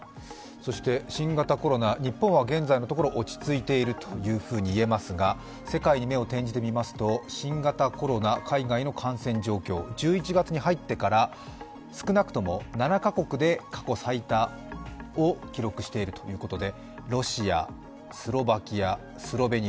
新型コロナ日本は現在のところ落ち着いていると言えますが、世界に目を転じてみますと新型コロナ、海外の感染状況、１１月に入ってから、少なくとも７カ国で過去最多を記録しているということです。